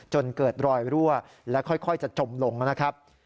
จนเกิดรอยรั่วและค่อยจะจมลงนะครับ